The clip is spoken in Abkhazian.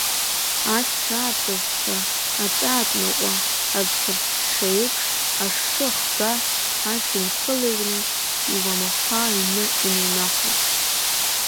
Ашә шаатызҵәҟьа, аҵаатә наҟәа, аӡхырҽҽа еиԥш, ашшы ахга, ашә инкылҩрны, иуамаха аҩны иныҩнаҳаит.